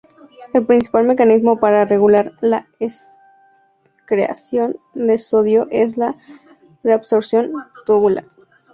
El principal mecanismo para regular la excreción de sodio es la reabsorción tubular.